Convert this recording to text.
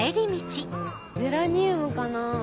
ゼラニウムかな。